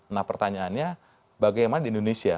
nah pertanyaannya bagaimana di indonesia